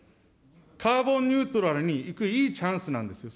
カーボンニュートラルにいくいいチャンスなんですよ。